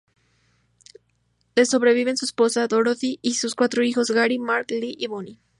Le sobreviven su esposa, Dorothy, y sus cuatro hijos, Gary, Marc, Lee y Bonnie.